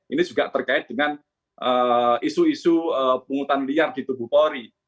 ini juga terkait dengan isu isu pungutan liar di tubuh polri